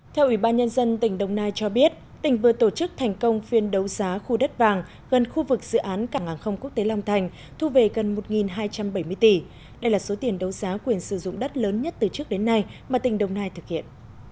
theo ủy ban nhân dân tỉnh đồng nai cho biết tỉnh vừa tổ chức thành công phiên đấu giá khu đất vàng gần khu vực dự án cảng hàng không quốc tế long thành thu về gần một hai trăm bảy mươi tỷ đây là số tiền đấu giá quyền sử dụng đất lớn nhất từ trước đến nay mà tỉnh đồng nai thực hiện